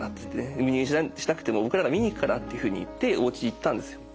入院しなくても僕らが見に行くから」っていうふうに言っておうち行ったんですよ。